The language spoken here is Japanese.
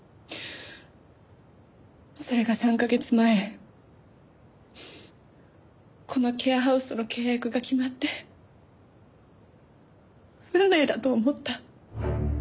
それが３カ月前このケアハウスの契約が決まって運命だと思った。